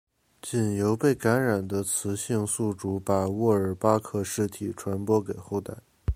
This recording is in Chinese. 仅由被感染的雌性宿主把沃尔巴克氏体传播给后代。